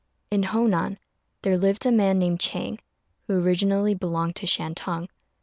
In Honan there lived a man named Chang, who originally belonged to Shantung.